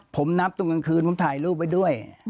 ผมนับตรงกลางคืนผมถ่ายรูปไว้ด้วย